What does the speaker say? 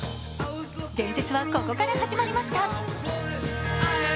伝説はここから始まりました。